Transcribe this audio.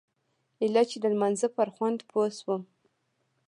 ايله چې د لمانځه پر خوند پوه سوم.